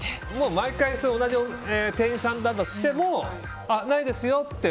毎回同じ店員さんだったとしてもないですよって